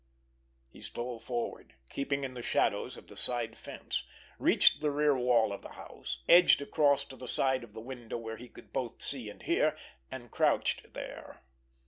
He stole forward, keeping in the shadows of the side fence, reached the rear wall of the house, edged across to the side of the window where he could both see and hear, and crouched there.